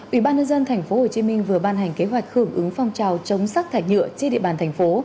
ủy ban nhân dân tp hcm vừa ban hành kế hoạch hưởng ứng phong trào chống rác thải nhựa trên địa bàn thành phố